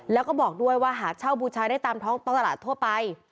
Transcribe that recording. แล้วก็บอกด้วยว่าหาเช่าบูชาได้ตามท้องตลาดทั่วไป